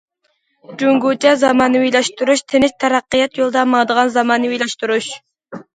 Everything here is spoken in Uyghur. جۇڭگوچە زامانىۋىلاشتۇرۇش تىنچ تەرەققىيات يولىدا ماڭىدىغان زامانىۋىلاشتۇرۇش.